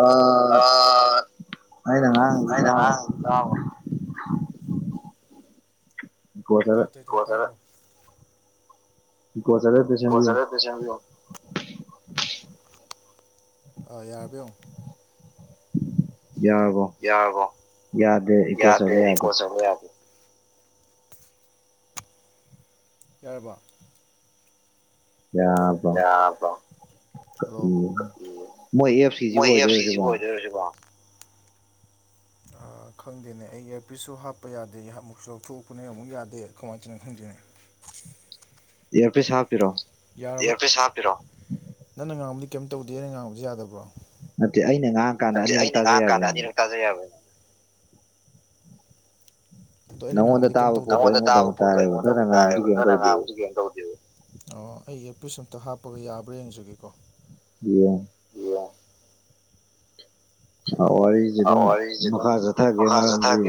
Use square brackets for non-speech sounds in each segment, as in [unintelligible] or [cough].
ꯑꯥ ꯑꯩꯅ ꯉꯔꯥꯡ ꯂ [inaudible] ꯇꯥꯏ ꯇꯥꯏ ꯥꯝꯢꯒꯣ ꯆꯠꯂꯦ ꯑꯝꯇ ꯁꯦꯝꯕꯤꯑꯣ ꯀꯕꯤꯣ [inaudible] ꯑꯥ ꯌꯥꯔꯕ ꯌꯦꯡꯉꯣ ꯌꯥꯔꯕꯣ ꯌꯥꯗꯦ ꯢꯀꯣ ꯆꯠꯂꯦ ꯌꯥꯝ ꯌꯥꯔꯕꯣ ꯌꯥ [inaudible] ꯌꯥꯔꯕꯣ ꯀꯔꯤꯅꯣ ꯃꯣꯏ ꯑꯦꯐ ꯁꯤꯒꯤ ꯑꯣꯏꯗꯣꯏꯔ ꯁꯤꯕꯣ ꯎ [unintelligible] ꯈꯪꯗꯦꯅꯦ ꯑꯩ ꯏꯌꯥꯔꯄꯤꯁꯁꯨ ꯍꯥꯞꯄ ꯌꯥꯗꯦ ꯑꯃꯨꯛꯁꯨ ꯂꯧꯊꯣꯛꯄꯅꯦ ꯑꯃꯨꯛ ꯌꯥꯗꯦ ꯀꯃꯥꯏꯅꯅꯣ ꯈꯪꯗꯦꯅꯦ ꯏꯌꯥꯔꯄꯤꯁ ꯍꯥꯞꯄꯤꯔꯣ ꯌꯥ ꯅꯪꯅ ꯉꯥꯡꯕꯗꯤ ꯀꯩꯝ ꯇꯧꯗꯦ ꯑꯩꯅ ꯉꯥꯡꯕꯗꯤ ꯌꯥꯗꯕ꯭ꯔꯣ ꯅꯠꯇꯦ ꯑꯩꯅ ꯉꯥꯡꯉꯀꯥꯟꯗ ꯑꯅꯤꯔꯛ ꯇꯥꯖꯩ ꯍꯥꯢꯕ ꯑꯗꯣ ꯑꯩꯅ ꯉꯥꯡꯕꯗꯤ ꯀꯩꯝ ꯇꯧꯗꯔꯣ ꯑꯩꯉꯣꯟꯗ ꯇꯥꯕ ꯄꯣꯠꯇꯣ ꯑꯩꯉꯣꯟꯗ ꯑꯃꯨꯛ ꯇꯥꯏꯑꯦꯕ ꯅꯪꯅ ꯉꯥꯡꯕꯗꯤ ꯀꯩꯝ ꯇꯧꯗꯦꯕ ꯑꯣ ꯑꯩ ꯑꯦꯄꯤꯁ ꯑꯝꯇ ꯍꯥꯞꯄꯒ ꯌꯥꯕ꯭ꯔꯥ ꯌꯦꯡꯖꯒꯦꯀꯣ ꯌꯦ [inaudible] ꯋꯥꯔꯤꯁꯦ ꯑꯗꯨꯝ ꯃꯈꯥ ꯆꯠꯊꯒꯦ ꯃꯔꯝꯗꯤ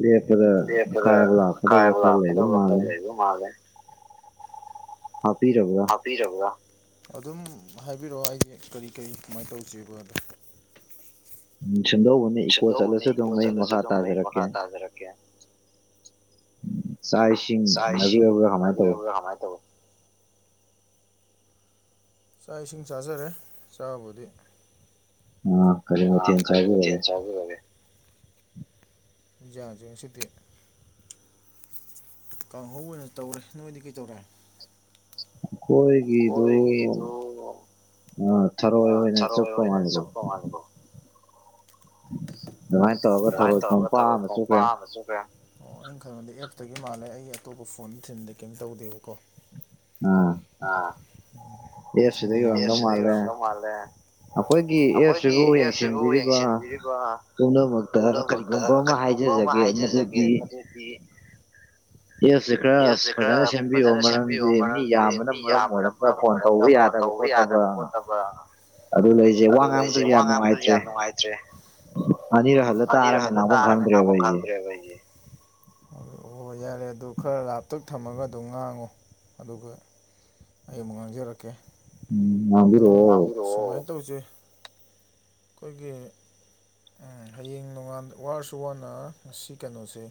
ꯂꯦꯞꯄꯗ ꯂꯦꯞꯄꯗ ꯑꯀꯥꯢꯕ ꯂꯥꯛꯀꯗꯧ ꯐꯤꯕꯝ ꯂꯩꯕ ꯃꯥꯜꯂꯦ ꯍꯥꯞꯕꯤꯔꯕ ꯑꯗꯨꯝ ꯍꯥꯏꯕꯤꯔꯛꯑꯣ ꯑꯩ ꯀꯔꯤ ꯀꯔꯤ ꯀꯃꯥꯏꯅ ꯇꯧꯁꯦꯕ ꯑꯗꯣ ꯎꯝ ꯁꯨꯝꯗꯧꯕꯅꯦ ꯏꯀꯣ ꯆꯠꯂꯁꯨ ꯑꯗꯨꯝ ꯑꯩ ꯃꯈꯥ ꯇꯥꯖꯔꯛꯀꯦ ꯇꯥꯖꯔꯛꯒꯦ ꯆꯥꯛ ꯏꯁꯤꯡ ꯎꯅꯥꯕꯤꯕ꯭ꯔꯥ ꯀꯃꯥꯏꯅ ꯇꯧꯕ ꯥꯏ ꯇꯕꯨ [inaudible] ꯆꯥꯛ ꯏꯁꯤꯡ ꯆꯥꯖꯔꯦ ꯆꯥꯕꯨꯗꯤ ꯑꯥ ꯀꯔꯤ ꯃꯊ‌ꯦꯜ ꯆꯥꯕꯤꯔꯒ‌ꯦ ꯏꯟꯖꯥꯡꯁꯤ ꯉꯁꯤꯗꯤ ꯀꯥꯡꯍꯧ ꯑꯣꯏꯅ ꯇꯧꯔꯦ ꯅꯣꯏꯗꯤ ꯀꯩꯇꯧꯔꯦ ꯀꯣꯏꯒꯤꯗꯨ ꯑ ꯊꯔꯣꯏ ꯑꯣꯏꯅ ꯆꯨꯞꯄ ꯃꯥꯅꯒꯣ ꯑꯗꯨꯃꯥꯏꯅ ꯇꯧꯔꯒ ꯊꯔ‌ꯣꯏ ꯈꯣꯟꯄꯥꯛ ꯑꯃ ꯆꯨꯞꯈ꯭ꯔ‌ꯦ ꯑꯣ ꯑꯩꯅ ꯈꯪꯕꯗ ꯑꯦꯞꯇꯒꯤ ꯃꯥꯜꯂꯦ ꯑꯩ ꯑꯇꯣꯞꯄ ꯐꯣꯟ ꯊꯤꯟꯗꯤ ꯀꯩꯝ ꯇꯧꯗꯦꯕꯀꯣ ꯎꯝ ꯑꯥ ꯑꯦ ꯁꯤꯗꯒꯤ ꯑ‌ꯣꯏꯔꯝꯗ‌ꯣ ꯃꯥꯂꯦ ꯑꯩꯈꯣꯏꯒꯤ ꯑꯦꯞꯁꯤꯕꯨ ꯌꯦꯡꯁꯤꯟꯕꯤꯔꯤꯕ ꯄꯨꯝꯅꯃꯛꯇ ꯀꯔꯤꯒꯨꯝꯕ ꯑꯃ ꯍꯥꯏꯖꯖꯒꯦ ꯃꯗꯨꯗꯤ ꯀꯨꯀꯤ ꯑꯦꯁ ꯈꯔ ꯐꯖꯅ ꯁꯦꯝꯕꯤꯌꯣ ꯃꯔꯝꯗꯤ ꯃꯤ ꯌꯥꯝꯕꯅ ꯃꯔꯝ ꯑꯣꯏꯔꯒ ꯐꯣꯟ ꯇꯧꯕ ꯌꯥꯗꯕ ꯈꯣꯠꯇꯕ ꯑꯗꯨ ꯂꯩꯁꯦ ꯋꯥ ꯉꯥꯡꯕꯗꯨꯁꯨ ꯌꯥꯝ ꯅꯨꯡꯉꯥꯏꯇ꯭ꯔꯦ ꯑꯅꯤꯔꯛ ꯍꯜꯂ ꯇꯥꯔꯒ [unintelligible] ꯑꯣ ꯍ‌ꯣꯏ ꯌꯥꯔꯦ ꯑꯗꯨ ꯈꯔ ꯂꯥꯞꯇꯛ ꯊꯝꯃꯒ ꯑꯗꯨꯝ ꯉꯥꯡꯉ‌ꯣ ꯑꯗꯨꯒ ꯑꯩ ꯑꯃꯨꯛ ꯉꯥꯡꯖꯔꯛꯀꯦ ꯑꯗꯨꯣ ꯇ ꯍꯧ [unintelligible] ꯎꯆꯦ ꯑꯩꯈꯣꯏꯒꯤ ꯎꯝ ꯍꯌꯦꯡ ꯅꯣꯡꯉꯥꯟ ꯋꯥꯔꯁꯨ ꯋꯥꯅ ꯉꯁꯤ ꯀꯩꯅꯣꯁꯦ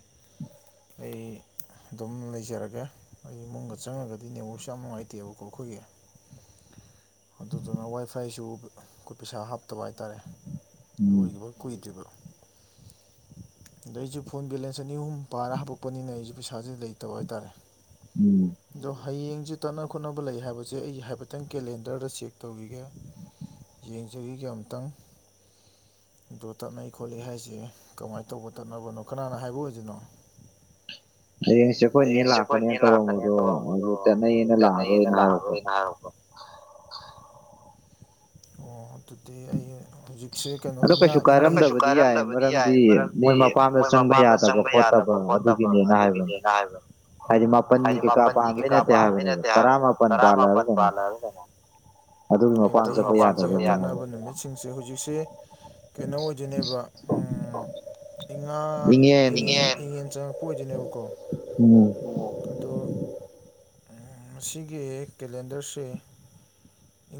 ꯑꯩ ꯑꯗꯨꯝ ꯂꯩꯖꯔꯒꯦ ꯑꯩ ꯏꯃꯨꯡꯗ ꯆꯪꯉꯒꯗꯤ ꯅꯦꯋꯥꯛꯁꯤ ꯌꯥꯝ ꯅꯨꯡꯉꯥꯏꯇꯦꯕꯀꯣ ꯑꯩꯈꯣꯏꯒꯤ [unintelligible] ꯑꯗꯨꯗꯨꯅ ꯋꯥꯏ ꯐꯥꯏꯁꯨ ꯑꯩꯈꯣꯏ ꯄꯩꯁꯥ ꯍꯥꯞꯇꯕ ꯍꯥꯏꯇꯥꯥꯔꯦ ꯂ‌ꯣꯏꯒꯤꯕ ꯀꯨꯏꯗ꯭ꯔꯤꯕ [unintelligible] ꯑꯗ ꯑꯩꯁꯨ ꯐꯣꯟ ꯕꯦꯂꯦꯟꯁ ꯑꯅꯤ ꯑꯍꯨꯝ ꯄꯥꯔ ꯍꯥꯄꯛꯄꯅꯤꯅ ꯑꯩꯁꯨ ꯄꯩꯁꯥꯁꯦ ꯂꯩꯇꯕ ꯍꯥꯏꯇꯥꯔꯦ ꯎꯝ ꯑꯗꯣ ꯍꯌꯦꯡꯁꯦ ꯇꯠꯅ ꯈꯣꯠꯅꯕ ꯂꯩ ꯍꯥꯏꯕꯁꯦ ꯑꯩ ꯍꯥꯏꯐꯦꯠꯇꯪ ꯀꯦꯂꯦꯟꯗꯔꯗ ꯆꯦꯛ ꯇꯧꯒꯤꯒꯦ ꯌꯦꯡꯖꯒꯤꯒ‌ꯦ ꯑꯝꯇꯪ ꯑꯗꯣ ꯇꯠꯅꯩ ꯈꯣꯠꯂꯤ ꯍꯥꯏꯁꯦ ꯀꯃꯥꯏꯅ ꯇꯧꯕ ꯇꯠꯅꯕꯅꯣ ꯀꯅꯥꯅ ꯍꯥꯏꯕ ꯑꯣꯏꯗ‌ꯣꯏꯅꯣ [unintelligible] ꯍꯌꯦꯡꯁꯦ ꯑꯩꯈꯣꯏ ꯅ‌ꯦ ꯂꯥꯛꯀꯅꯦꯅ ꯇꯧꯔꯝꯕꯗꯣ ꯑꯗꯨ ꯇꯠꯅꯩꯌꯦꯅ ꯂꯥꯛꯑꯔꯣꯏꯅ ꯍꯥꯏꯔꯛꯄ ꯑ [inaudible] ꯑꯣ ꯑꯗꯨꯗꯤ ꯑꯩ ꯍꯧꯖꯤꯛꯁꯦ ꯀꯩꯅ [unintelligible] ꯑꯗꯨ ꯀꯩꯁꯨ ꯀꯥꯏꯔꯝꯗꯕꯗꯤ ꯌꯥꯏ ꯃꯔꯝꯗꯤ ꯃꯣꯏ ꯃꯄꯥꯟꯗ ꯆꯪꯕ ꯌꯥꯗꯕ ꯈꯣꯠꯇꯕ ꯑꯗꯨꯒꯤꯅꯦ ꯍꯥꯏꯕ ꯍꯥꯏ ꯃꯥꯄꯟꯅꯤ ꯀꯩ ꯀꯥꯕꯥꯟꯕꯩ ꯅꯠꯇ‌ꯦꯍꯥꯏꯕ ꯇꯥꯔꯥꯃꯄꯟ ꯄꯥꯜꯂꯤ ꯍꯥꯏꯕꯥ ꯀꯩꯅ‌ꯣꯝ ꯍꯥꯏꯕꯅꯤ ꯑꯖ [unintelligible] ꯀꯥꯟꯅꯕ ꯅꯨꯃꯤꯠꯁꯤꯡꯁꯦ ꯍꯧꯖꯤꯛꯁꯤꯦ ꯀꯩꯅꯣ ꯑꯣꯏꯗꯣꯏꯅꯦꯕ ꯎꯥ ꯆꯪꯉ [unintelligible] ꯄ [unintelligible] ꯑꯣꯏꯗꯣꯏꯅꯦꯕꯀꯣ ꯑꯗꯨ ꯃꯁꯤꯒꯤ ꯀꯦꯂꯦꯟꯗꯔꯁꯤ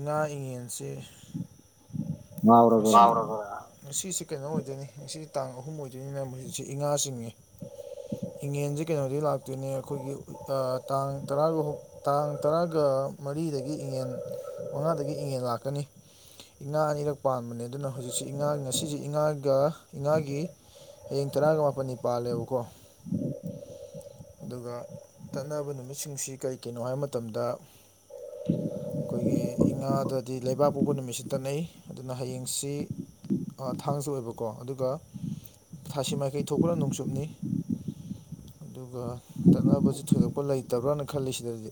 ꯉ ꯉꯥ ꯑꯌꯦꯟꯁꯦ [unintelligible] ꯉꯁꯤꯁꯤ ꯀꯩꯅꯣ ꯑꯣꯏꯗꯣꯏꯅꯤ ꯉꯁꯤ ꯇꯥꯡ ꯑꯍꯨꯝ ꯑꯣꯏꯗꯣꯏꯅꯤꯅ ꯍꯧꯖꯤꯛꯁꯤ ꯏꯉꯥ ꯆꯤꯡꯉꯤ ꯏꯉꯦꯟꯁꯦ ꯀꯩꯅꯣꯗꯒꯤ ꯂꯥꯛ ꯑꯗꯨꯨꯅꯦ ꯑꯩꯈꯣꯏꯒꯤ ꯇꯥꯡ ꯇꯔꯥꯒ ꯇꯥꯡ ꯇꯔꯥꯒ ꯃꯔꯤꯗꯒꯤ ꯏꯉꯟ ꯃꯉꯥꯗꯒꯤ ꯏꯪꯉꯦꯟ ꯂꯥꯛꯀꯅꯤ ꯏꯉꯥ ꯑꯅꯤꯔꯛ ꯄꯥꯟꯕꯅꯦ ꯑꯗꯨꯅ ꯍꯧꯖꯤꯛꯁꯤ ꯏꯉꯥ ꯉꯁꯤꯁꯤ ꯏꯉꯥꯒ ꯏꯉꯥꯒꯤ ꯍꯌꯦꯡ ꯇꯔꯥꯒ ꯃꯥꯄꯟꯅꯤ ꯄꯥꯜꯂꯦꯕꯀꯣ ꯑꯗꯨꯒ ꯇꯠꯅꯕ ꯅꯨꯃꯤꯠꯁꯤꯡꯁꯤ ꯀꯔꯤ ꯀꯅꯣ ꯍꯥꯏꯕ ꯃꯇꯝꯗ ꯎꯝ ꯑꯩꯈꯣꯏꯒꯤ ꯏꯉꯥꯗꯗꯤ ꯂꯩꯕꯥꯛꯄꯕ ꯅꯨꯃꯤꯠꯁꯤ ꯇꯠꯅꯩ ꯑꯗꯨꯅ ꯍꯌꯦꯡꯁꯤ ꯊꯥꯡꯁꯨ ꯑꯣꯏꯕꯀꯣ ꯑꯗꯨꯒ ꯊꯥꯁꯤ ꯃꯥꯏꯀꯩ ꯊꯣꯛꯄꯅ ꯅꯣꯡꯆꯨꯞꯅꯤ [unintelligible] ꯑꯗꯨꯒ ꯇꯛꯅꯕꯁ ꯊꯣꯏꯗꯣꯛꯄ ꯂꯩꯇꯕ꯭ꯔꯅ ꯈꯜꯂꯤ ꯁꯤꯗꯗꯤ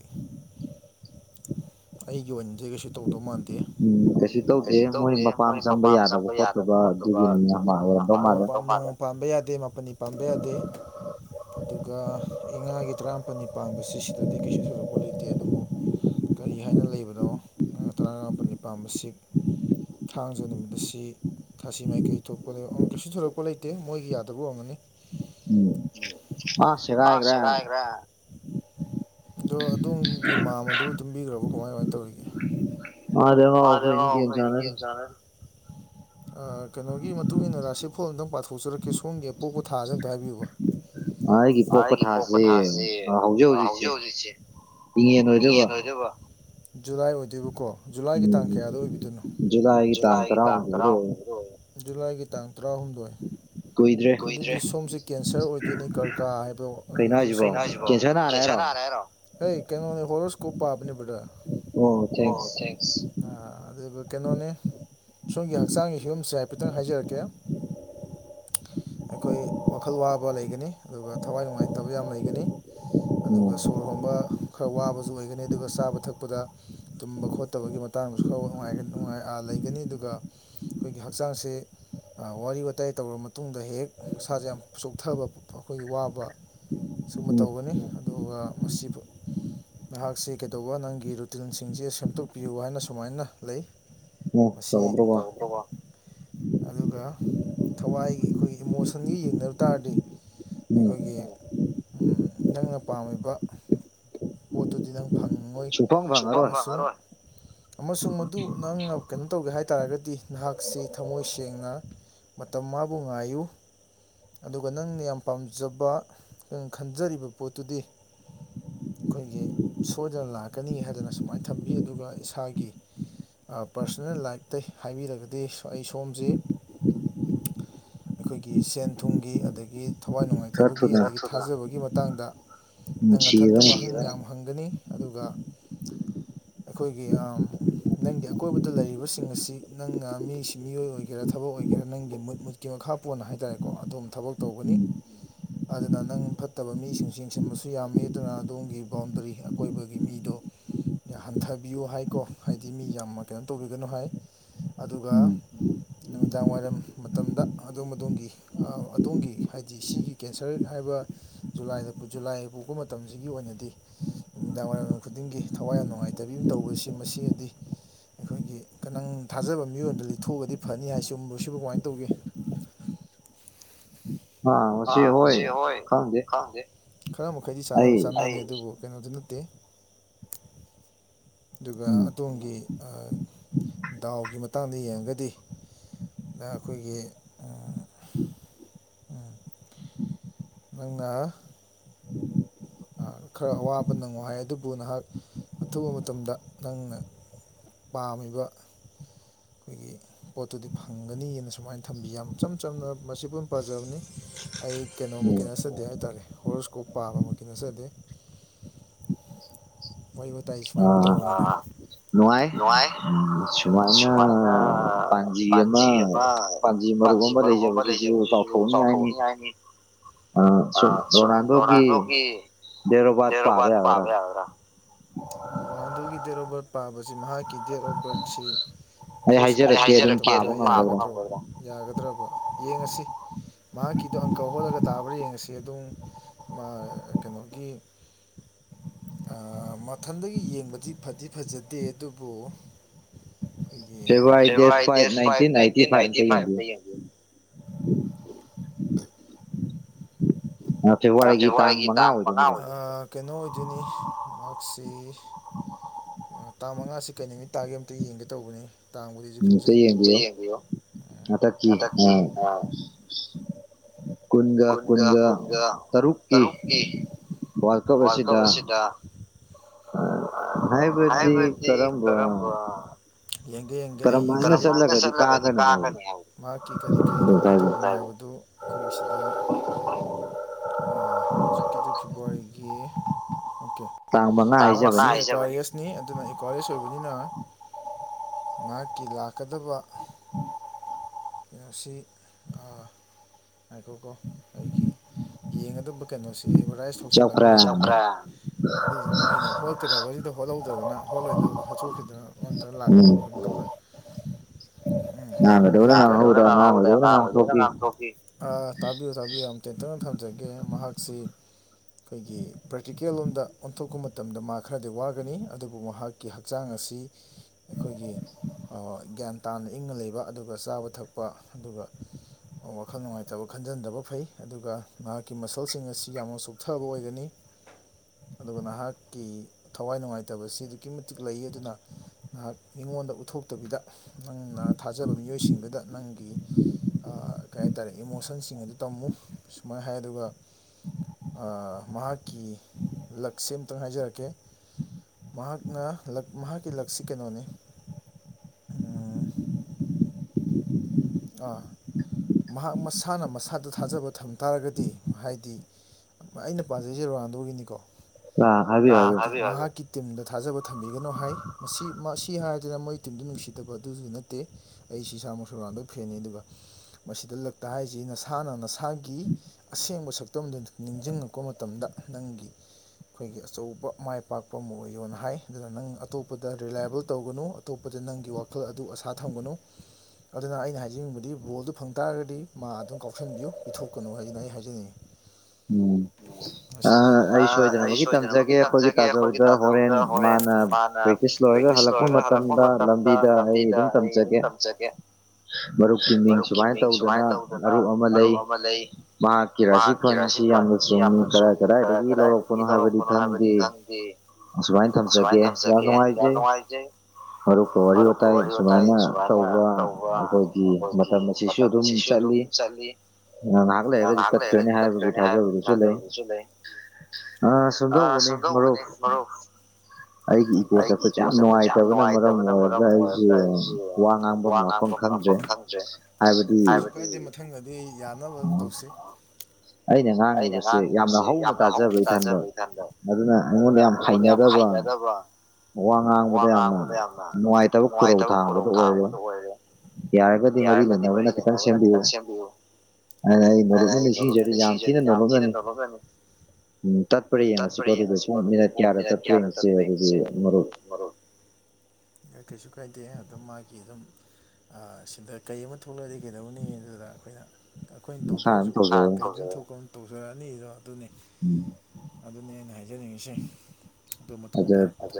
ꯑꯩꯒꯤ ꯑꯣꯏꯅꯗꯤ ꯀꯩꯁꯨ ꯇꯧꯗꯧ ꯃꯥꯟꯗꯦ ꯎꯝ ꯀꯩꯁꯨ ꯇꯧꯗꯦ ꯃꯣꯏ ꯃꯄꯥꯝ ꯆꯪꯕ ꯌꯥꯗꯕ ꯈꯣꯠꯇꯕ ꯖꯨꯕꯤꯅꯤꯅ ꯑꯣ ꯄꯥꯎꯃꯥꯡ ꯄꯥꯟꯕꯥ ꯌꯥꯗꯦ ꯃꯥꯄꯜꯅꯤ ꯄꯥꯟꯕ ꯌꯥꯗꯦ ꯑꯗꯨꯒ ꯑꯦ ꯉꯥꯒꯤ ꯇꯔꯥꯃꯥꯄꯜꯅꯤ ꯄꯥꯟꯕꯁ ꯁꯤꯗꯗꯤ ꯀꯩꯁꯨ ꯁꯣꯏꯗꯛꯄ ꯂꯩꯇꯦ ꯑꯗꯨꯕꯨ ꯀ ꯍꯥꯏꯅ ꯂꯩꯕꯗꯣ ꯇꯔꯥꯒ ꯃꯥꯄꯜꯅꯤ ꯄꯥꯝꯕꯁꯤ ꯊꯥꯡꯖ ꯅꯨꯃꯤꯠ ꯑꯁꯤ ꯊꯥꯁꯤ ꯃꯥꯏꯀꯩ ꯊꯣꯛꯄ ꯂꯩ ꯀꯩꯁꯨ ꯊꯣꯔꯛꯄ ꯂꯩꯇꯦ ꯃꯣꯏꯒꯤ ꯌꯥꯗꯕ ꯑꯣꯏꯝꯃꯅꯤ ꯎꯝ ꯑ ꯁꯤꯔ ꯍꯥꯏꯒ꯭ꯔꯦ ꯑꯗꯣ ꯑꯗꯣꯝꯒꯤ ꯃꯝ ꯑꯗꯨ ꯇꯨꯝꯕꯤꯈ꯭ꯔꯕꯣ ꯀꯃꯥꯏ ꯀꯃꯥꯏꯅ ꯇꯧꯔꯤꯒꯦ ꯑꯗꯦ ꯋꯥꯥꯎ ꯐꯅꯤ ꯀꯦ ꯆꯅꯦ ꯀꯩꯅꯣꯒꯤ ꯃꯇꯨꯡ ꯏꯟꯅ ꯔꯥꯁꯤꯐꯣꯝꯇꯪ ꯄꯥꯊꯣꯛꯆꯔꯛꯀꯦ ꯁꯣꯝꯒꯤ ꯑꯄꯣꯛꯄ ꯊꯥꯁꯦ ꯑꯝꯇ ꯍꯥꯏꯕꯤꯌꯨꯕ ꯑꯩꯒꯤ ꯄꯣꯛꯄ ꯊꯥꯁꯦ ꯍꯧꯖꯤꯛ ꯍꯧꯖꯤꯛ ꯍꯧꯖꯤꯛꯁꯦꯌꯦꯟ ꯑꯣꯏꯗꯣꯏꯕ ꯖꯨꯂꯥꯏ ꯑꯣꯏꯗꯣꯏꯕꯀꯣ ꯖꯨꯂꯥꯏꯒꯤ ꯇꯥꯡ ꯀꯌꯥꯗ ꯑꯣꯏꯕꯤꯗꯣꯏꯅꯣ ꯖꯒꯤ ꯇꯥꯡ ꯇ ꯖꯨꯂꯥꯏꯒꯤ ꯇꯥꯡ ꯇꯔꯥꯍꯨꯝꯗꯣꯏ ꯁꯣꯝꯁꯦ ꯀꯦꯟꯁꯔ ꯑꯣꯏꯗꯣꯏꯅꯤ ꯀꯔꯀꯥ ꯍꯥꯏꯕ ꯍ ꯀꯩꯅꯣ ꯍꯔ ꯁꯀꯨ ꯄꯥꯄꯅꯤ ꯑꯣ ꯊꯦꯡꯁ ꯑꯗꯨ ꯀꯩꯅꯣꯅꯤ ꯁꯣꯝꯒꯤ ꯍꯛꯆꯥꯡꯒꯤ ꯐꯤꯕꯝꯁꯦ ꯍꯥꯏꯐꯦꯠꯇꯪ ꯍꯥꯏꯖꯔꯛꯀꯦ ꯑꯩꯈꯣꯏ ꯋꯥꯈꯜ ꯋꯥꯕ ꯂꯩꯒꯅꯤ ꯑꯗꯨꯒ ꯊꯋꯥꯏ ꯅꯨꯡꯉꯥꯏꯇꯕ ꯌꯥꯝ ꯂꯩꯒꯅꯤ ꯑꯗꯨꯒ ꯁꯣꯔ ꯍꯣꯟꯕ ꯈꯔ ꯋꯥꯕꯖꯨ ꯑꯣꯏꯒꯅꯤ ꯑꯗꯨꯒ ꯆꯥꯕ ꯊꯛꯄꯗ ꯇꯨꯝꯕ ꯈꯣꯠꯇꯕꯒꯤ ꯃꯇꯥꯡꯗꯖꯨ ꯈꯔꯅꯨꯡꯉꯥꯏ ꯑ ꯂꯩ ꯒꯅꯤ ꯑꯗꯨꯒ ꯑꯩꯈꯣꯏꯒꯤ ꯍꯛꯆꯥꯡꯁꯦ ꯋꯥꯔꯤ ꯋꯥꯇꯥꯏ ꯇꯧꯔꯕ ꯃꯇꯨꯡꯗ ꯑꯗ ꯍꯦꯛ ꯃꯁꯥꯁꯦ ꯌꯥꯝ ꯆꯣꯛꯊꯕ ꯑꯩꯈꯣꯏꯒꯤ ꯋꯥꯕ ꯁꯨꯝꯕ ꯇꯧꯒꯅꯤ ꯑꯗꯨꯒ ꯃꯁꯤꯕꯨ ꯅꯍꯥꯛꯁ ꯀꯩꯗꯧꯕ ꯅꯪꯒꯤ ꯔꯨꯇꯤꯟꯁꯤꯡꯁꯦ ꯁꯦꯝꯗꯣꯛꯄꯤꯌꯨ ꯍꯥꯏꯅ ꯁꯨꯃꯥꯏꯅ ꯂꯩ ꯃꯁꯤ ꯇꯕ ꯑꯗꯨꯒ ꯊꯋꯥꯏꯒꯤ ꯑꯩꯈꯣꯏꯒꯤ ꯏꯃꯣꯁꯟꯒ ꯌꯦꯡꯔ ꯇꯥꯔꯗꯤ ꯑꯩꯈꯣꯏꯒꯤ ꯅꯪꯅ ꯄꯥꯝꯃꯤꯕ ꯄꯣꯠꯇꯨꯗꯤ ꯅꯪ ꯐꯪꯉꯣꯏ ꯁ ꯑꯃꯁꯨꯡ ꯃꯗꯨ ꯅꯪꯅ ꯀꯩꯅꯣ ꯇꯧꯒꯦ ꯍꯥꯏ ꯇꯥꯔꯒꯗꯤ ꯅꯍꯥꯛꯁꯤ ꯊꯃꯣꯏ ꯁꯦꯡꯅ ꯃꯇꯝ ꯃꯥꯕꯨ ꯉꯥꯏꯌꯨ ꯑꯗꯨꯒ ꯅꯪꯅ ꯌꯥꯝ ꯄꯥꯝꯖꯕ ꯅꯪ ꯈꯟꯖꯔꯤꯕ ꯄꯣꯠꯇꯨꯗꯤ ꯑꯩꯈꯣꯏꯒꯤ ꯁꯣꯏꯗꯅ ꯂꯥꯛꯀꯅꯤ ꯍꯥꯏꯗꯅ ꯁꯨꯃꯥꯏꯅ ꯊꯝꯕꯤ ꯑꯗꯨꯒ ꯏꯁꯥꯒꯤ ꯄꯥꯔꯁꯣꯅꯦꯜ ꯂꯥꯏꯐꯇ ꯍꯥꯏꯕꯤꯔꯒꯗꯤ ꯑꯩ ꯁꯣꯝꯁꯦ ꯑꯩꯈꯣꯏꯒꯤ ꯁꯦꯟ ꯊꯨꯝꯒꯤ ꯑꯗꯒꯤ ꯊꯋꯥꯏ ꯅꯨꯡꯉꯥꯏꯇꯕꯒꯤ ꯑꯗꯒꯤ ꯊꯥꯖꯕꯒꯤ ꯃꯇꯥꯡꯗ ꯅꯪꯅꯊꯟꯇ ꯋꯥꯍꯩ ꯃꯌꯥꯝ ꯍꯪꯒꯅꯤ ꯑꯗꯨꯒ ꯑꯩꯈꯣꯏꯒꯤ ꯅꯪꯒꯤ ꯑꯀꯣꯏꯕꯗ ꯂꯩꯔꯤꯕꯁꯤꯡ ꯑꯁꯤ ꯅꯪꯅ ꯃꯤꯁꯤ ꯃꯤꯑꯣꯏ ꯑꯣꯏꯒꯦꯔꯥ ꯊꯕꯛ ꯑꯣꯏꯒꯦꯔꯥ ꯅꯪꯒꯤ ꯃꯨꯠ ꯃꯨꯠ ꯀ ꯀꯤ ꯃꯈꯥ ꯄꯣꯟꯅ ꯍꯥꯏꯇꯥꯔꯦꯀꯣ ꯑꯗꯨꯝ ꯊꯕꯛ ꯇꯧꯒꯅꯤ ꯑꯗꯨꯅ ꯅꯪ ꯐꯠꯇꯕ ꯃꯤꯁꯤꯡꯁꯤ ꯌꯦꯡꯁꯤꯟꯕꯁꯨ ꯌꯥꯝꯃꯤ ꯑꯗꯨꯅ ꯑꯗꯣꯝꯒꯤ ꯕꯥꯎꯟꯗꯔꯤ ꯑꯀꯣꯏꯕꯒꯤ ꯃꯤꯗꯣ ꯍꯟꯊꯕꯤꯌꯨ ꯍꯥꯏꯀꯣ ꯍꯥꯏꯗꯤ ꯃꯤ ꯌꯥꯝꯅ ꯀꯩꯅꯣ ꯇꯧꯕꯤꯒꯅꯨ ꯍꯥꯏ ꯑꯗꯨꯒ ꯅꯨꯃꯤꯗꯥꯡ ꯋꯥꯏꯔꯝ ꯃꯇꯝꯗ ꯑꯗꯣꯝ ꯑꯗꯣꯝꯒꯤ ꯑꯗꯣꯝꯒꯤ ꯍꯥꯏꯗꯤ ꯁꯤꯒꯤ ꯀꯦꯟꯁꯔ ꯍꯥꯏꯕ ꯖꯨꯂꯥꯏꯗ ꯖꯨꯂꯥꯏꯗ ꯄꯨꯣꯛꯄ ꯃꯇꯝꯁꯤꯒꯤ ꯑꯣꯏꯅꯗꯤ ꯅꯨꯃꯤꯗꯥꯡ ꯋꯥꯏꯔꯝꯔꯝ ꯈꯨꯗꯤꯡꯒꯤ ꯊꯋꯥꯏ ꯌꯥꯝ ꯅꯨꯡꯉꯥꯏꯇꯕꯤ ꯑꯃ ꯇꯧꯕꯁꯤ ꯃꯁꯤꯅꯗꯤ ꯑꯩꯈꯣꯏꯒꯤ ꯀ ꯅꯪ ꯊꯥꯖꯕ ꯃꯤꯑꯣꯏꯣꯟꯗ ꯂꯤꯠꯊꯣꯛꯑꯒꯗꯤ ꯐꯅꯤ ꯍꯥꯏ ꯁꯤꯒꯨꯝꯕ ꯁꯤꯕꯨ ꯀꯃꯥꯏꯅ ꯇꯧꯒꯦ ꯍꯣꯏ ꯈꯔ ꯃꯈꯩꯗꯤꯥꯟꯅꯦ ꯑꯗꯨꯕꯨ ꯀꯩꯅꯣꯗꯤ ꯅꯠꯇꯦ ꯑꯗꯨꯒ ꯑꯗꯣꯝꯒꯤ ꯗꯥꯎꯒꯤ ꯃꯇꯥꯡꯗ ꯌꯦꯡꯉꯒꯗꯤ ꯗ ꯑꯩꯈꯣꯏꯒꯤ ꯅꯪꯅ ꯑ ꯈꯔ ꯑꯋꯥꯕ ꯅꯪꯉꯣ ꯍꯥꯏ ꯑꯗꯨꯕꯨ ꯅꯍꯥꯛ ꯑꯊꯨꯕ ꯃꯇꯝꯗ ꯅꯪꯅ ꯄꯥꯝꯃꯤꯕ ꯑꯩꯈꯣꯏꯒꯤ ꯄꯣꯠꯇꯨꯗꯤ ꯐꯪꯒꯅꯤꯅ ꯁꯨꯃꯥꯏꯅ ꯊꯝꯕꯤ ꯌꯥꯝ ꯏꯝ ꯆꯝꯅ ꯃꯁꯤ ꯄꯣꯏꯅ ꯄꯥꯖꯕꯅꯤ ꯑꯩ ꯀꯩꯅꯣꯃꯨꯛꯀꯤ ꯅꯠꯆꯗꯦ ꯍꯥꯏꯇꯥꯥꯔꯦ ꯍꯣꯔꯁꯀꯣꯞ ꯄꯥꯕꯃ ꯅꯠꯆꯗꯦ ꯑ ꯁꯨꯃꯥꯏꯅ ꯇꯧꯔ ꯅꯨꯡꯉꯥꯏ ꯁꯨꯃꯥꯏꯅ ꯄꯥꯥꯟꯖꯤ ꯑꯃ ꯄꯥꯖꯤ ꯃꯔꯨꯞ ꯑꯃ ꯂꯩꯖꯕꯁꯤꯁꯨ ꯆꯥꯎꯊꯣꯛꯅꯤꯉꯥꯏꯅꯤ ꯑ ꯁ ꯑꯣꯅꯗ ꯅꯥꯗꯣꯒꯤ ꯗꯔꯣꯕꯥ ꯄꯥꯕꯦ ꯑꯗꯨꯒꯤ ꯇꯦꯔꯣꯕꯔꯠ ꯄꯥꯕꯁꯤ ꯃꯍꯥꯛꯀꯤ ꯗꯁꯤ ꯑꯩꯈꯣꯏ ꯁꯃꯥꯏꯦ ꯌꯥꯒꯗ꯭ꯔꯕ ꯌꯦꯡꯉꯁꯤ ꯃꯍꯥꯛꯀꯤꯗꯣ ꯑꯪꯀ ꯍꯣꯜꯂꯒ ꯇꯥꯕ꯭ꯔꯥ ꯌꯦꯡꯉꯁꯤ ꯑꯗꯨꯝ ꯀꯩꯅꯣꯀꯤ ꯃꯊꯟꯗꯒꯤ ꯌꯦꯡꯕꯗꯤ ꯐꯗꯤ ꯐꯖꯗꯦ ꯑꯗꯨꯕꯨ ꯐꯦꯕꯋꯥ ꯐꯇ ꯐꯚ ꯑꯣ ꯐꯦꯕꯋꯥꯔꯤꯒꯤ ꯇꯥꯡ ꯃꯉꯥ ꯀꯩꯅꯣ ꯑꯣꯏꯗꯣꯏꯅꯤ ꯃꯍꯥꯛꯁꯤ ꯑꯣ ꯇꯥ ꯃꯉꯥꯁꯤ ꯀꯩꯅꯅꯤ ꯇꯥꯒꯤ ꯑꯃꯝꯇ ꯌꯦꯡꯒꯦ ꯇꯧꯕꯅꯤ ꯇꯥꯡꯕꯗꯤꯁꯨ ꯈꯪꯖꯩꯛꯇ ꯌꯦꯡꯕꯤꯌꯣ ꯍꯟꯗꯛꯀꯤ ꯀꯨꯟꯒ ꯀꯨꯟꯒ ꯇꯔꯨꯛꯀꯤ ꯋꯥꯔꯜ ꯀꯞ ꯑꯁꯤꯗ ꯑ ꯍꯥꯏꯕꯗꯤ ꯀꯔꯝꯕ ꯌꯦꯡꯒꯦ ꯌꯦꯡꯒꯦ ꯑꯩ ꯃꯍꯥꯛꯀꯤ ꯀꯔꯤ ꯀꯔꯤ ꯀꯩꯅꯣ ꯇꯧꯕꯕ ꯀꯣꯏꯁꯦ ꯍꯧꯖꯤꯛꯀꯤꯗꯤ ꯐꯦꯕꯋꯥꯔꯤꯒꯤ ꯑꯣꯀꯦ ꯍꯥꯏ ꯅꯤ ꯑꯗꯨꯅ ꯏꯀ꯭ꯋꯥꯂꯦꯁ ꯑꯣꯏꯕꯅꯤꯅ ꯃꯍꯥꯛꯀꯤ ꯂꯥꯛꯀꯗꯕ ꯁꯤ ꯉꯥꯏꯈꯣꯀꯣ ꯑꯩꯒꯤ ꯌꯦꯡꯒꯗꯕ ꯀꯩꯅꯣꯁꯦ ꯑꯦꯚꯔꯗꯥꯏꯁ ꯊꯣꯛꯧꯁꯜꯂꯒ ꯂꯩꯈ ꯑꯗꯨꯗꯨ ꯎ ꯍꯣꯠꯀꯗ꯭ꯔꯕꯁꯤꯗ ꯍꯣꯠꯠꯇꯧꯗ꯭ꯔꯗꯅ ꯍꯣꯠꯂꯣꯏꯗ ꯍꯥꯆꯣꯛꯈꯤꯗꯅ ꯑꯣꯠꯇꯅ ꯂꯥꯛꯄ ꯗꯔ ꯍꯗ ꯍꯧꯗꯔ ꯊꯣꯛꯣ ꯑ ꯇꯥꯕꯤꯌꯨ ꯇꯥꯕꯤꯌꯨ ꯌꯥꯝ ꯇꯦꯟꯇꯅ ꯊꯝꯖꯒꯦ ꯃꯍꯥꯛꯁꯤ ꯑꯩꯈꯣꯏꯒꯤ ꯄ꯭ꯔꯦꯛꯇꯤꯀꯦꯜ ꯂꯣꯝꯗ ꯊꯣꯛꯄ ꯃꯇꯝꯗ ꯃꯥ ꯈꯔꯗꯤ ꯋꯥꯒꯅꯤ ꯑꯗꯨꯕꯨ ꯃꯍꯥꯛꯀꯤ ꯍꯛꯆꯥꯡ ꯑꯁꯤ ꯑꯩꯈꯣꯏꯒꯤ ꯒ꯭ꯌꯥꯟ ꯇꯥꯅ ꯏꯪꯅ ꯂꯩꯕ ꯑꯗꯨꯒ ꯆꯥꯕ ꯊꯛꯄ ꯑꯗꯨꯒ ꯋꯥꯈꯜ ꯅꯨꯡꯉꯥꯏꯇꯕ ꯈꯟꯖꯟꯗꯕ ꯐꯩ ꯑꯗꯨꯒ ꯃꯍꯥꯛꯀꯤ ꯃꯁꯜꯁꯤꯡ ꯑꯁꯤ ꯌꯥꯝꯅ ꯆꯣꯛꯊꯕ ꯑꯣꯏꯒꯅꯤ ꯑꯗꯨꯒ ꯅꯍꯥꯛꯀꯤ ꯊꯋꯥꯏ ꯅꯨꯡꯉꯥꯏꯇꯕꯁꯤ ꯑꯗꯨꯛꯀꯤ ꯃꯇꯤꯛ ꯂꯩ ꯑꯗꯨꯅ ꯅꯍꯥꯛ ꯃꯤꯉꯣꯟꯗ ꯎꯠꯊꯣꯛꯇꯕꯤꯗ ꯅꯪꯅ ꯊꯥꯖꯕ ꯃꯤꯑꯣꯏꯁꯤꯡꯗꯨꯗ ꯅꯪꯒꯤ ꯀꯩ ꯍꯥꯏꯇꯥꯔꯦ ꯏꯃꯣꯁꯟꯁꯤꯡ ꯑꯗꯨ ꯇꯝꯃꯨ ꯁꯨꯃꯥꯏꯅ ꯍꯥꯏ ꯑꯗꯨꯒ ꯃꯍꯥꯛꯀꯤ ꯂꯛꯁ ꯑꯃꯇꯪ ꯍꯥꯏꯖꯔꯛꯀꯦ ꯃꯍꯥꯛꯅ ꯂꯛ ꯃꯍꯥꯛꯀꯤ ꯂꯛꯁꯤ ꯀꯩꯅꯣꯅꯤ [unintelligible] ꯑꯥ ꯃꯍꯥꯛ ꯃꯁꯥꯅ ꯃꯁꯥꯗ ꯊꯥꯖꯕ ꯊꯝ ꯇꯥꯔꯒꯗꯤ ꯍꯥꯏꯗꯤ ꯑꯩꯅ ꯄꯥꯖꯔꯤꯁꯦ ꯔꯍꯥꯟꯗꯒꯤꯅꯤꯀꯣ ꯇꯤꯝꯗ ꯊꯥꯖꯕ ꯊꯝꯕꯤꯒꯅꯨ ꯍꯥꯏ ꯃꯁꯤ ꯃꯁꯤ ꯍꯥꯏꯗꯅ ꯃꯣꯏ ꯇꯤꯝꯗꯨ ꯅꯨꯡꯁꯤꯗꯕ ꯑꯗꯨꯁꯨ ꯅꯠꯇꯦ ꯑꯩꯁꯤ ꯏꯁꯥ ꯃꯁꯨ ꯔꯥꯎꯥꯟꯗ ꯐꯦꯟꯅꯩ ꯑꯗꯨꯒ ꯃꯁꯤꯗ ꯂꯛꯇ ꯍꯥꯏꯔꯤꯁꯤꯦ ꯅꯁꯥꯅ ꯅꯁꯥꯒꯤ ꯑꯁꯦꯡꯕ ꯁꯛꯇꯝꯗꯨ ꯅꯤꯡꯁꯤꯡꯉꯛꯄ ꯃꯇꯝꯗ ꯅꯪꯒꯤ ꯑꯩꯈꯣꯏꯒꯤ ꯑꯆꯧꯕ ꯃꯥꯏ ꯄꯥꯛꯄ ꯑꯃ ꯑꯣꯏꯌꯣꯅ ꯍꯥꯏ ꯑꯗꯨꯅ ꯅꯪ ꯑꯇꯣꯞꯄꯗ ꯔꯤꯂꯥꯏꯌꯦꯕꯜ ꯇꯧꯒꯅꯨ ꯑꯇꯣꯞꯄꯗ ꯅꯪꯒꯤ ꯋꯥꯈꯜ ꯑꯗꯨ ꯑꯁꯥ ꯊꯝꯒꯅꯨ ꯑꯗꯨꯅ ꯑꯩꯅ ꯍꯥꯏꯖꯅꯤꯡꯕꯗꯤ ꯕꯣꯜꯗꯨ ꯐꯪ ꯇꯥꯔꯒꯗꯤ ꯃꯥ ꯑꯗꯨꯝ ꯀꯥꯎꯁꯟꯕꯤꯌꯨ ꯄꯤꯊꯣꯛꯀꯅꯨ ꯍꯥꯏꯗꯨꯅ ꯑꯩ ꯍꯥꯏꯖꯅꯤꯡꯏ ꯎꯝ [unintelligible] ꯑꯩ ꯁꯣꯏꯗꯅꯃꯛꯀꯤ ꯇꯝꯖꯒꯦ ꯑꯩꯈꯣꯏꯒꯤ ꯇꯥꯖꯧꯗ ꯍꯣꯔꯦꯟ ꯃꯥꯅ ꯄ꯭ꯔꯦꯛꯇꯤꯁ ꯂꯣꯏꯔꯒ ꯍꯜꯂꯛꯄ ꯃꯇꯝ ꯂꯝꯕꯤꯗ ꯑꯩ ꯑꯗꯨꯝ ꯇꯝꯖꯒꯦ ꯃꯔꯨꯞꯀꯤ ꯃꯤꯡ ꯁꯨꯃꯥꯏꯅ ꯇꯧꯗꯅ ꯃꯔꯨꯞ ꯑꯃ ꯂꯩ ꯃꯥ ꯀꯤꯔꯥꯁꯤ ꯐꯟꯁꯤ ꯌꯥꯝꯅ ꯆꯨꯝꯃꯤ ꯀꯗꯥ ꯀꯗꯥꯥꯏꯗ ꯂꯧꯔꯛꯄꯅꯣ ꯍꯥꯏꯕꯗꯤ ꯈꯪꯗꯦ ꯑꯁꯨꯃꯥꯏꯅ ꯊꯝꯖꯒꯦ ꯌꯥꯝ ꯅꯨꯡꯉꯥꯏꯖꯩ ꯑꯗꯨꯒꯨꯞ ꯋꯥꯔꯤ ꯋꯥꯇꯥꯏ ꯁꯨꯃꯥꯏꯅ ꯇꯧꯕ ꯑꯩꯈꯣꯏꯒꯤ ꯃꯇꯝ ꯑꯁꯤꯁꯨ ꯑꯗꯨꯝ ꯆꯠꯂꯤ ꯉꯥꯏꯍꯥꯛ ꯂꯩꯔꯒꯗꯤ ꯆꯠꯈ꯭ꯔꯅꯤ ꯍꯥꯏꯕꯒꯤ ꯊꯥꯖꯕꯗꯨꯁꯨ ꯂꯩ ꯑꯥ ꯁꯨꯒꯧ ꯃꯅꯦ ꯃꯔꯔꯣ ꯑꯩꯒꯤ ꯏꯀꯣ ꯆꯠꯄꯁꯦ ꯌꯥꯝ ꯅꯨꯡꯉꯥꯏꯇꯕꯅ ꯃꯔꯝ ꯑꯣꯏꯔꯒ ꯑꯩꯁꯦ ꯋꯥ ꯉꯥꯡꯕ ꯈꯪꯗ꯭ꯔꯗꯤ ꯃꯊꯪꯒꯗꯤ ꯌꯥꯅꯕ ꯑꯗꯨꯝ ꯇꯧꯁꯤ ꯑꯩꯅ ꯉꯥꯡꯉꯤꯕꯁꯦ ꯌꯥꯝꯅ ꯍꯧꯅ ꯇꯥꯖꯕꯩ ꯏꯊꯟꯗ ꯑꯗꯨꯅ ꯑꯩꯉꯣꯟꯗ ꯌꯥꯝ ꯍꯅꯗꯕ ꯋꯥ ꯉꯥꯡꯕꯗ ꯌꯥꯝꯅ ꯅꯨꯡꯉꯥꯏꯇꯕ ꯈꯨꯔꯧ ꯊꯥꯡꯕꯗ ꯑꯣꯏꯔꯦ ꯌꯥꯔꯒꯗꯤ ꯃꯔꯤ ꯂꯩꯅꯕꯅ ꯈꯤꯇꯪ ꯁꯦꯝꯕꯤꯌꯨ ꯑꯅ ꯑꯩ ꯅꯣꯨꯞꯅ ꯅꯤꯡꯁꯤꯡꯖ ꯦꯖꯝꯁꯤꯅꯦ ꯅ ꯂꯧꯣ ꯃ ꯎꯝ ꯇꯠꯄ꯭ꯔꯥ ꯌꯦꯡꯉꯁꯤꯀꯣ ꯑꯗꯨꯗꯤ ꯄꯨꯡ ꯃꯤꯅꯠ ꯀꯌꯥꯗ ꯇꯠꯄꯥ ꯌꯦꯡꯉꯁꯤ ꯑꯗꯨꯗꯤ ꯃꯔꯨꯞꯠ [unintelligible] ꯀꯩꯁꯨ ꯀꯥꯏꯗꯦ ꯑꯗꯨꯝ ꯃꯥꯒꯤ ꯑꯗꯨꯝ ꯁꯤꯗ ꯀꯩ ꯑꯃ ꯊꯣꯛꯂꯛꯑꯗꯤ ꯀꯩꯗꯧꯅꯤ ꯑꯗꯨꯗ ꯑꯩꯈꯣꯏꯅ ꯑꯩꯈꯣꯏꯅ ꯇꯧꯗ꯭ꯔꯒꯁꯨꯟ ꯊꯣꯛꯄ ꯇꯧꯖꯔꯛꯑꯅꯤꯗꯣ ꯑꯗꯨꯅꯤ ꯑꯗꯨꯅꯦ ꯑꯩꯅ ꯍꯥꯏꯖꯅꯤꯡꯉꯤꯁꯦ ꯑꯗꯣ ꯃꯇꯨꯡ ꯇꯥꯔꯛꯄ